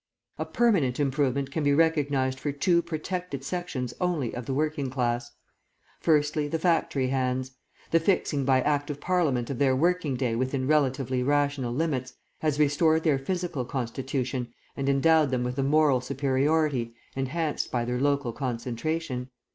"A permanent improvement can be recognised for two 'protected' sections only of the working class. Firstly, the factory hands. The fixing by Act of Parliament of their working day within relatively rational limits has restored their physical constitution and endowed them with a moral superiority, enhanced by their local concentration.